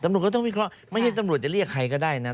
ตำรวจก็ต้องวิเคราะห์ไม่ใช่ตำรวจจะเรียกใครก็ได้นะ